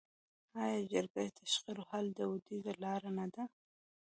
آیا جرګه د شخړو د حل دودیزه لاره نه ده؟